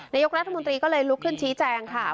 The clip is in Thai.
นายกรัฐมนตรีก็เลยลุกขึ้นชี้แจงค่ะ